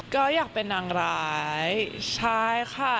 ก็อยากเป็นนางร้ายใช่ค่ะ